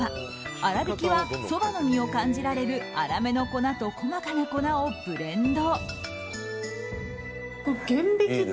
粗挽きはそばの実を感じられる粗めの粉と細かな粉をブレンド。